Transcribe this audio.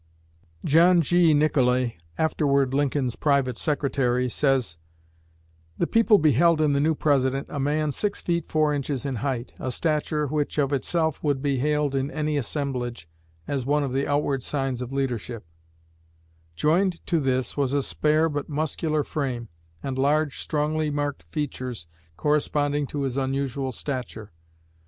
John G. Nicolay, afterward Lincoln's private secretary, says: "The people beheld in the new President a man six feet four inches in height, a stature which of itself would be hailed in any assemblage as one of the outward signs of leadership; joined to this was a spare but muscular frame, and large strongly marked features corresponding to his unusual stature.